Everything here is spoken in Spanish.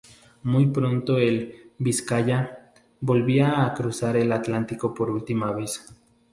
Muy pronto el "Vizcaya" volvía a cruzar el Atlántico por última vez.